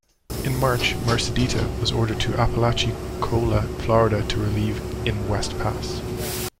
In March, "Mercedita" was ordered to Apalachicola, Florida to relieve in West Pass.